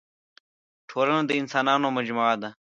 ټولنه د اسانانو مجموعه ده.